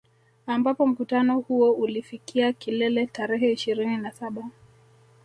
Ambapo mkutano huo ulifikia kilele tarehe ishirini na saba